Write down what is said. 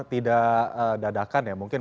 tidak dadakan ya mungkin